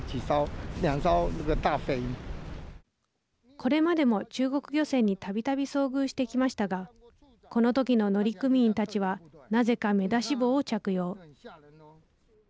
これまでも中国漁船にたびたび遭遇してきましたがこの時の乗組員たちはなぜか目出し帽を着用。